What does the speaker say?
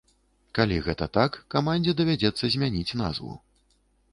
Калі гэта так, камандзе давядзецца змяніць назву.